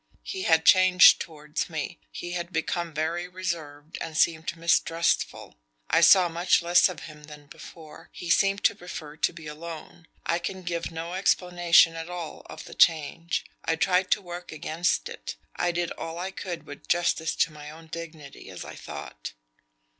He had changed towards me; he had become very reserved and seemed mistrustful. I saw much less of him than before; he seemed to prefer to be alone. I can give no explanation at all of the change. I tried to work against it; I did all I could with justice to my own dignity, as I thought.